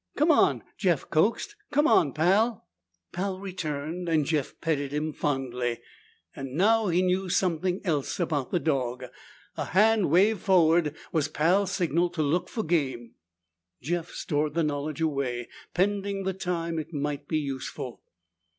"Come on," Jeff coaxed. "Come on, Pal!" Pal returned and Jeff petted him fondly. Now he knew something else about the dog. A hand waved forward was Pal's signal to look for game. Jeff stored the knowledge away, pending the time it might be useful.